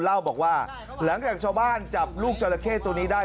เล่าบอกว่าหลังจากชาวบ้านจับลูกจราเข้ตัวนี้ได้